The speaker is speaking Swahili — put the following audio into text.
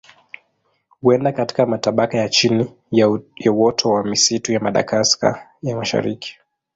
Huenda katika matabaka ya chini ya uoto wa misitu ya Madagaska ya Mashariki.